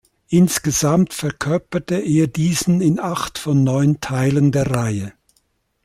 Insgesamt verkörperte er diesen in acht von neun Teilen der Reihe.